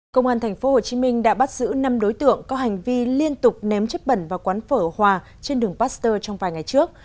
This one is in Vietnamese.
công an tp hcm đã bắt giữ năm đối tượng có hành vi liên tục ném chất bẩn vào quán phở hòa trên đường pasteur trong vài ngày trước